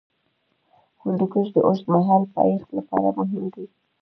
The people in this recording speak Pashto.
هندوکش د اوږدمهاله پایښت لپاره مهم دی.